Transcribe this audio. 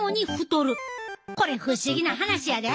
これ不思議な話やで。